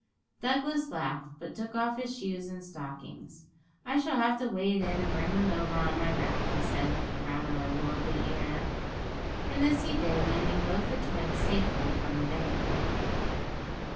Douglas laughed, but took off his shoes and stockings. 'I shall have to wade in and bring them over on my back,' he said, with rather a lordly air. And this he did, landing both the twins safely on the bank.